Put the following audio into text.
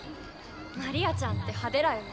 マリアちゃんって派手らよね。